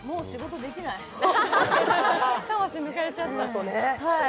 魂抜かれちゃった。